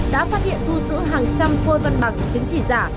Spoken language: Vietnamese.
đã phát hiện thu giữ hàng trăm phôi văn bằng chứng chỉ giả